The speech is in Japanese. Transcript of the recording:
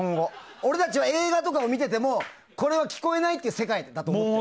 俺たちは映画とかを見ていてもこれは聴こえないっていう世界だと思って。